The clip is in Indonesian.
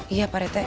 iya pak rt